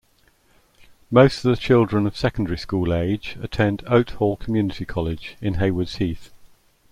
Most of the children of secondary-school age attend Oathall Community College in Haywards Heath.